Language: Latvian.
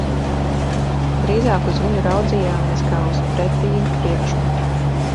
Drīzāk uz viņu raudzījāmies, kā uz pretīgu priekšmetu.